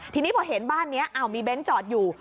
ทีนี้พอเห็นบ้านนี้มีเบ้นจอดอยู่